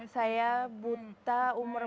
saya buta umur empat puluh tiga